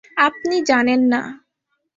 আপনি জানেন না।